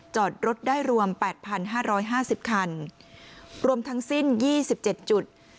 จอดรถได้รวม๘๕๕๐คันรวมทั้งสิ้น๒๗จุด